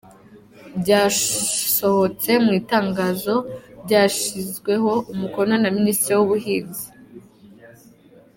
Byasohotse mu itangazo ryashyizweho umukono na Minisitiri w’ubuhinzi .